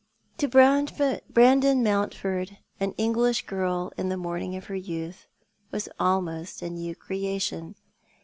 To Brandon Mountford an English girl in the morning of her youth was almost a new creation.